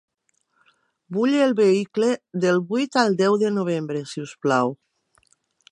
Vull el vehicle del vuit al deu de novembre si us plau.